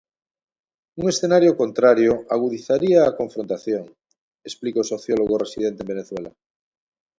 Un escenario contrario agudizaría a confrontación, explica o sociólogo residente en Venezuela.